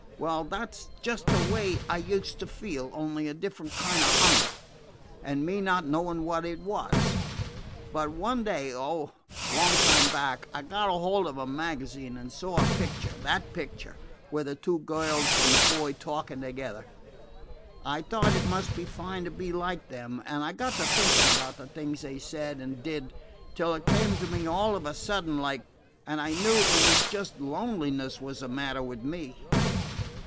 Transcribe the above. Well, that 's just the way I used to feel, only a different kind of hunger, and me not knowing what it was. But one day, oh, a long time back, I got a hold of a magazine and saw a picture that picture, with the two girls and the boy talking together. I thought it must be fine to be like them, and I got to thinking about the things they said and did, till it came to me all of a sudden like, and I knew it was just loneliness was the matter with me.